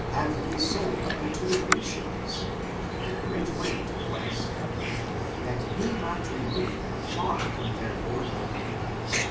have ye sold unto the Chrecians [a great way to the west], that ye might remove them far from their border.